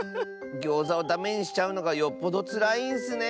ギョーザをダメにしちゃうのがよっぽどつらいんッスね。